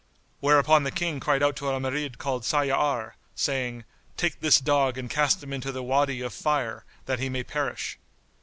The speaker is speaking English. Whereupon the King cried out to a Marid called Sayyár, saying "Take this dog and cast him into the Wady of Fire, that he may perish."